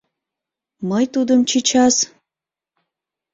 Мый тудым чичас...